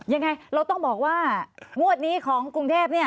ยังไงเราต้องบอกว่างวดนี้ของกรุงเทพ